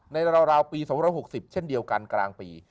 ราวปี๒๖๐เช่นเดียวกันกลางปี